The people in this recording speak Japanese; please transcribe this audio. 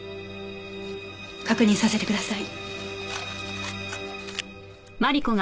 確認させてください。